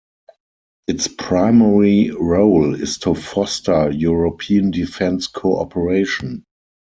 Its primary role is to foster European defence cooperation.